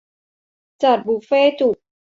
จัดบุฟเฟ่ต์จุก